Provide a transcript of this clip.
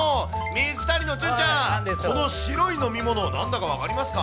水谷の隼ちゃん、この白い飲み物、なんだか分かりますか？